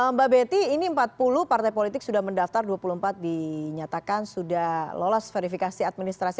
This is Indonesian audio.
mbak betty ini empat puluh partai politik sudah mendaftar dua puluh empat dinyatakan sudah lolos verifikasi administrasi